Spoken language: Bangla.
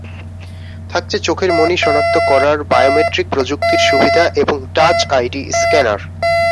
থাকছে চোখের মনি শনাক্ত করার বায়োমেট্রিক প্রযুক্তির সুবিধা এবং টাচ আইডি স্ক্যানার।